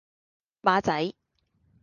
馬仔